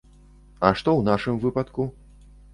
А што ў нашым выпадку?